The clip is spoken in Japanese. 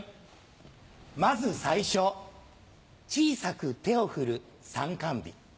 先ず最初小さく手を振る参観日。